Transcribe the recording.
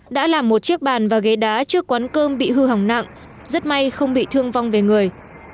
đã làm một chiếc bàn và ghế đá trước quán cơm bị hư hỏng nặng rất may không bị thương vong về người